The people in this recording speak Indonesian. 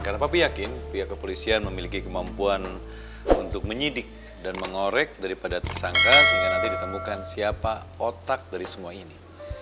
karena papi yakin pihak kepolisian memiliki kemampuan untuk menyidik dan mengorek daripada tersangka sehingga nanti ditemukan siapa otak dari semua ini